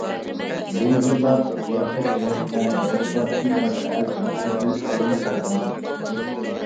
ۋېنگىرلار قىياپەت جەھەتتە ياۋروپادىكى باشقا ئەل خەلقلىرىدىن خېلىلا پەرقلىنىدۇ.